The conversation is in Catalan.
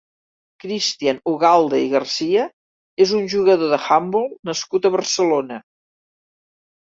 Cristian Ugalde i García és un jugador d'handbol nascut a Barcelona.